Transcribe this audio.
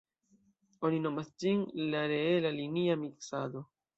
Oni nomas ĝin la reela-linia miksado.